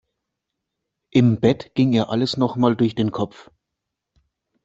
Im Bett ging ihr alles noch mal durch den Kopf.